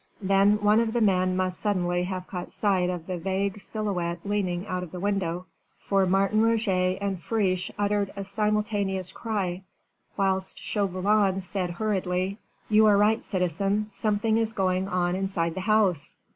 Then one of the men must suddenly have caught sight of the vague silhouette leaning out of the window, for Martin Roget and Friche uttered a simultaneous cry, whilst Chauvelin said hurriedly: "You are right, citizen, something is going on inside the house."